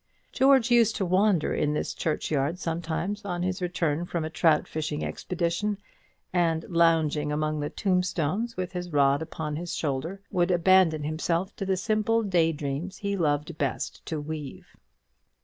George used to wander in this churchyard sometimes on his return from a trout fishing expedition, and, lounging among the tombstones with his rod upon his shoulder, would abandon himself to the simple day dreams he loved best to weave.